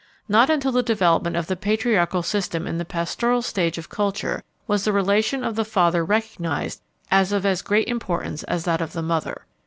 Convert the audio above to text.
Not until the development of the patriarchal system in the pastoral stage of culture was the relation of the father recognized as of as great importance as that of the mother.